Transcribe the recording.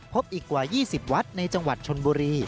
พบอีกกว่า๒๐วัดในจังหวัดชนบุรี